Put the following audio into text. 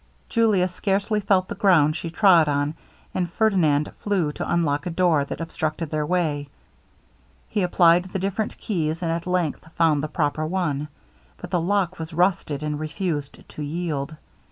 Julia scarcely felt the ground she trod on, and Ferdinand flew to unlock a door that obstructed their way. He applied the different keys, and at length found the proper one; but the lock was rusted, and refused to yield.